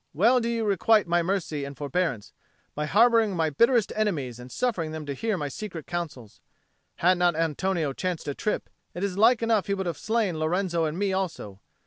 "Well do you requite my mercy and forbearance, by harbouring my bitterest enemies and suffering them to hear my secret counsels. Had not Antonio chanced to trip, it is like enough he would have slain Lorenzo and me also.